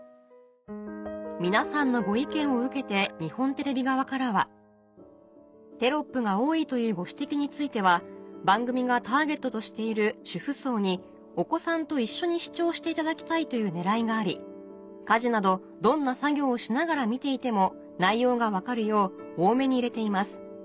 皆さんのご意見を受けて日本テレビ側からは「テロップが多いというご指摘については番組がターゲットとしている主婦層にお子さんと一緒に視聴していただきたいという狙いがあり家事などどんな作業をしながら見ていても内容が分かるよう多めに入れています」